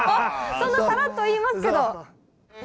そんなサラッと言いますけど。